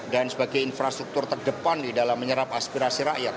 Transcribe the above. dan sebagai infrastruktur terdepan di dalam menyerap aspirasi rakyat